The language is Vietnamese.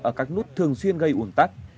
ở các nút thường xuyên gây uổng tắt